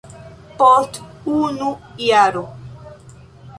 Post unu jaro.